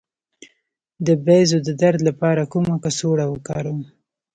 د بیضو د درد لپاره کومه کڅوړه وکاروم؟